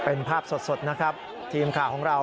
เป็นภาพสดนะครับทีมข่าวของเรา